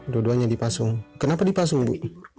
dua duanya dipasung kenapa dipasung bu